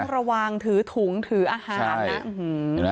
ระวังถือถุงถืออาหารนะ